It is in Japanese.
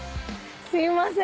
すいません。